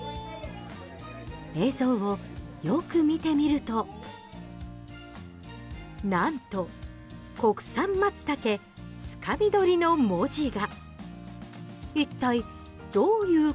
映像をよく見てみるとなんと「国産松茸つかみどり」の文字が。